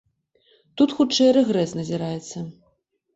Тут хутчэй рэгрэс назіраецца.